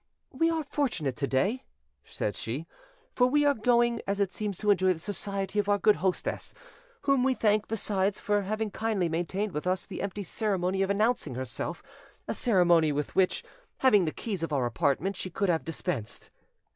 "We are fortunate to day," said she, "for we are going as it seems to enjoy the society of our good hostess, whom we thank besides for having kindly maintained with us the empty ceremony of announcing herself—a ceremony with which, having the keys of our apartment, she could have dispensed."